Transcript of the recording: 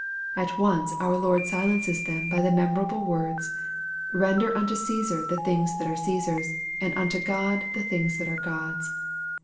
At once our Lord silences them by the memorable words, " Render unto Caesar the things that are Caesar's, and unto God the things that are God's."